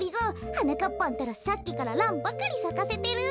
はなかっぱんったらさっきからランばかりさかせてる。